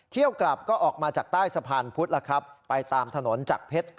เที่ยวกลับก็ออกมาจากใต้สะพานพุธแล้วครับไปตามถนนจักรเพชร